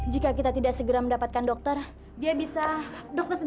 jika kita tidak segera mendapatkan dokter